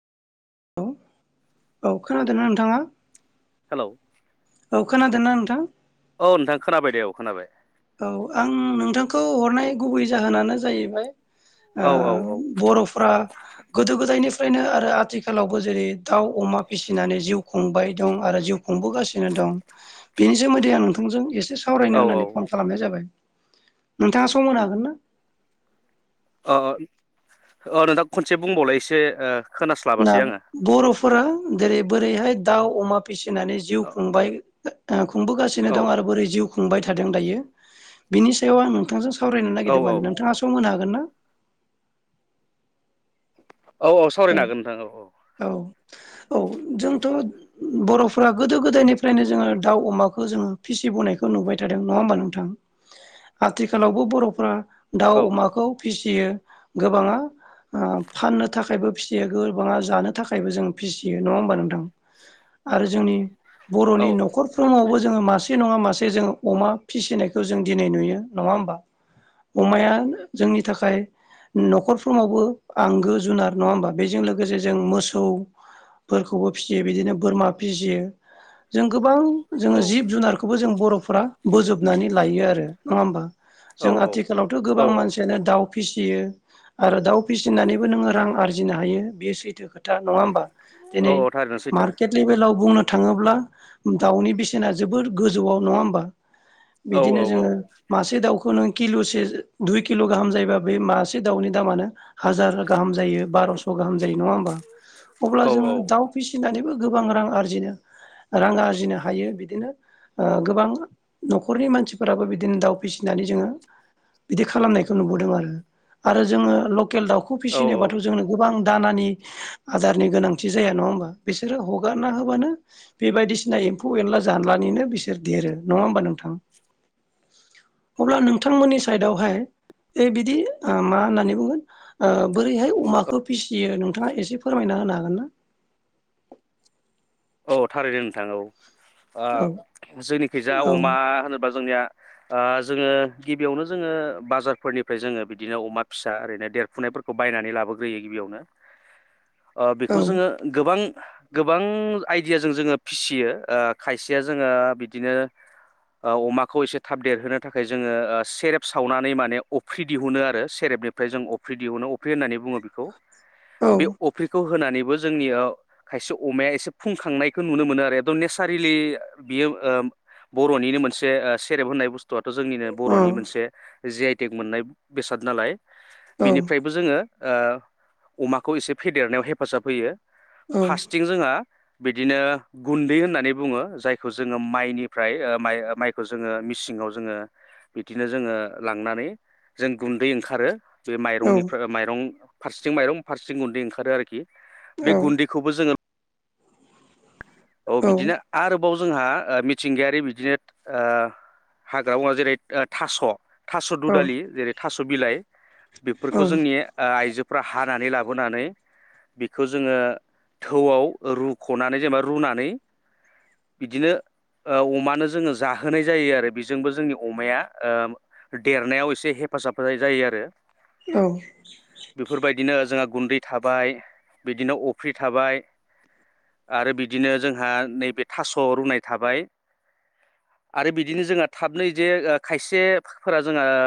औ औ खोनादोंना नोंथाङा? हेलौ औ खोनादोंना नोंथां? औ नोंथां खोनाबाय दे औ खोनाबाय। औ आं नोंथांखौ हरनाय गुबै जाहोनानो जाहैबाय ओ औ औ बर'फ्रा गोदो गोदायनि फ्रायनो आरो आथिखालावबो जेरै दाउ अमा फिसिनानै जिउ खुंबाय दं आरो जिउ खुंबोगासिनो दं बेनि सोमोन्दै आं नोंथांजों एसे सावरायनो औ औ होननानै फन खालामनाय जाबाय नोंथाङा सम होनो हागोन ना? अ अ ओ‌नोंथां खनसे बुंबावलाय एसे ओ ना खोनास्लाबासै आङो बर'फोरा जेरै बोरैहाय दाउ अमा फिसिनानै जिउ खुंबाय खुंबोगासिनो औ दं आरो बोरै जिउ खुंबाय थादों दायो बिनि सायाव आं नोंथांजों सावरायनो औ औ नागिरदोंमोन नोंथाङा सम होनो हागोन ना? औ औ सावरायनो हागोन नोंथां औ औ औ जोंथ' बर'फोरा गोदो गोदायनिफ्रायनो जोङो दाउ अमाखौ जोङो फिसि बोनायखौ नुबाय थादों नङा होमबा नोंथां? आथिखालावबो बर'फ्रा दाउ औ अमाखौ फिसियो गोबाङा ओ फाननो थाखायबो फिसियो गोबाङा जानो थाखायबो जों फिसियो नङा होमबा नोंथां? आरो जोंनि बर'नि औ न'खरफ्रोमावबो जोङो मासे नङा मासे जोङो अमा फिसिनायखौ जों दिनै नुयो नङा होमबा? अमाया जोंनि थाखाय न'खरफ्रोमावबो आंगो जुनार नङा होमबा? बेजों लोगोसे जों मोसौ फोरखौबो फिसियो बिदिनो बोरमा फिसियो जों गो गोबां जोङो औ जिब जुनारखौबो जों बर'फ्रा बोजोबनानै लायो आरो नङा होमबा औ जों आथिखालावथ' औ गोबां मानसियानो दाउ फिसियो आरो दाउ फिसिनानैबो नोङो रां आरजिनो हायो बेयो सैथो खोथा नङा होमबा औ दिनै औ थारैनो सैथो मार्केट लेभेलाव बुंनो थाङोब्ला दाउनि बेसेना जोबोर गोजौआव नङा होमबा औ बिदिनो औ जोङो मासे दाउखौ नों किल'से दुइ किल' गाहाम जायोबा बे मासे दाउनि दामानो हाजार गाहाम जायो बार'स' गाहाम जायो नङा होमबा अब्ला औ जोङो दाउ फिसिनानैबो गोबां रां आरजिनो रां आरजिनो हायो बिदिनो ओ गोबां न'खरनि मानसिफोराबो बिदिनो दाउ फिसिनानै जोङो बिदि खालामनायखौ नुबोदों आरो आरो जोङो लकेल दाउखौ औ फिसिनोबा गोबां दानानि आदारनि गोनांथि जाया नङा होमबा बिसोरो हगारना होबानो बेबायदि [unintelligible] एम्फौ एनला जानलानैनो बिसोर देरो नङा होमबा नोंथां। अब्ला नोंथांमोननि साइडआवहाय ए बिदि ओ मा होननानै बुंगोन ओ बोरैहाय अमाखौ फिसियो नोंथाङा एसे फोरमायना होनो हागोन ना। औ थारैनो नोंथां औ औ ओ जोंनिखैजा औ अमा होनोबा जोंनिया ओ जोङो गिबियावनो जोङो बाजारफोरनिफ्राय जोङो बिदिनो अमा फिसा ओरैनो देरफुनाय फोरखौ बायनानै लाबोग्रोयो गिबियावनो [inaudible] ओ बेखौ जोङो गोबां गोबां आइदियाजों जोङो फिसियो ओ खायसेया जोङो बिदिनो ओ अमाखौ एसे थाब देरहोनो थाखाय जोङो ओ सेरेब सावनानै माने अफ्रि दिहुनो आरो सेरेब निफ्राय जों अफ्रि दिहुनो अफ्रि होननानै बुङो बेखौ। औ बे अफ्रिखौ होनानैबो जोंनियाव खायसे अमाया एसे फुंखांनायखौ नुनो मोनो आरो एकदम नेसारेलि बियो ओ बर'निनो मोनसे सेरेब होननाय बुस्थुआ थ' जोंनिनो बर'नि मोनसे जि आइटेक मोननाय बेसाद नालाय औ बिनिफ्रायबो जोङो ओ अमाखौ एसे फेदेरनायाव हेफाजाब होयो औ फारसेथिं जोंहा बिदिनो गुन्दै होननानै बुङो जायखौ जोङो माइनिफ्राय माइ-माइखौ जोङो मिसिनङाव जोङो बिदिनो जोङो लांनानै जों गुन्दै ओंखारो। जे औ माइरंनिफ्राय माइरं फारसेथिं माइरं फारसेथिं गुन्दै ओंखारो आरोखि बे गुन्दैखौबो जोङो औ बिदिनो आरो बाव जोंहा ओ मिथिंगायारि बिदिनो ओ हाग्रा मुवा जेरै थास' थास' औ दुदालि जेरै थास' बिलाइ औ बेफोरखौ जोंनि आइजोफ्रा हानानै लाबोनानै बेखौ जोङो थौआव रुख'नानै जेनेबा रुनानै बिदिनो ओ अमानो जोङो जाहोनाय जायो आरो बेजोंबो जोंनि अमाया ओ देरनायाव एसे हे फाजाब होनाय जायो आरो औ बेफोरबायदिनो जोंहा गुन्दै थाबाय बिदिनो अफ्रि थाबाय आरो बिदि बिदिनो जोंहा नैबे थास' रुनाय थाबाय। आरो बिदिनो जोंहा थाबनै जे खायसेफोरा जोंहा